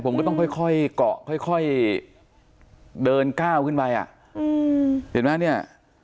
ผมก็ต้องค่อยเกาะค่อยเดินก้าวขึ้นไปอ่ะอืมเห็นไหมเนี่ย